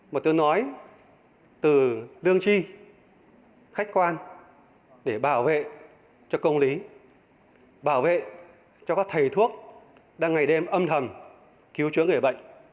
một tiếng nói từ lương chi khách quan để bảo vệ cho công lý bảo vệ cho các thầy thuốc đang ngày đêm âm thầm cứu chữa người bệnh